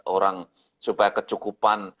orang supaya kecukupan